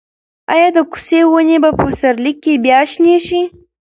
ایا د کوڅې ونې به په پسرلي کې بیا شنې شي؟